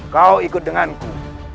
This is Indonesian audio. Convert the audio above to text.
kau ikut denganku